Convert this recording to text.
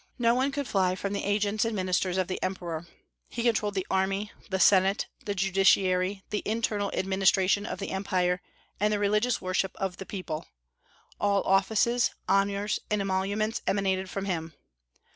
No one could fly from the agents and ministers of the Emperor; he controlled the army, the Senate, the judiciary, the internal administration of the empire, and the religious worship of the people; all offices, honors, and emoluments emanated from him.